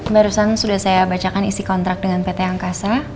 barusan sudah saya bacakan isi kontrak dengan pt angkasa